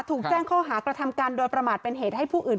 ถูกแจ้งข้อหากระทำการโดยประมาทเป็นเหตุให้ผู้อื่น